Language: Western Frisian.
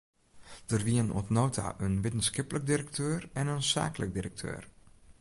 Der wienen oant no ta in wittenskiplik direkteur en in saaklik direkteur.